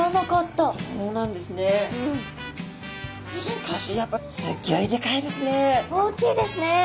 しかしやっぱ大きいですね。